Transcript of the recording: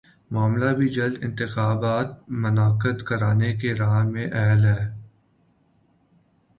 معاملہ بھی جلد انتخابات منعقد کرانے کی راہ میں حائل ہے